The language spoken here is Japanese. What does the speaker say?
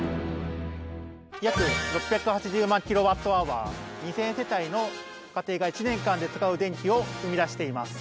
約６８０万ｋＷｈ２，０００世帯の家庭が１年間で使う電気を生み出しています。